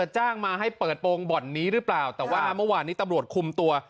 จ้างมาให้เปิดโปรงบ่อนนี้หรือเปล่าแต่ว่าเมื่อวานนี้ตำรวจคุมตัว